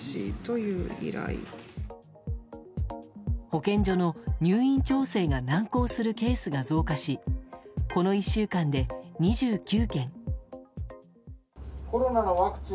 保健所の入院調整が難航するケースが増加しこの１週間で２９件。